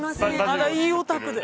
あらいいお宅で。